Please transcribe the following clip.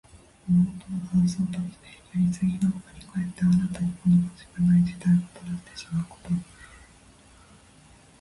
物事を正そうとして、やりすぎのあまりかえって新たに好ましくない事態をもたらしてしまうこと。「枉れるを矯めて直きに過ぐ」とも読む。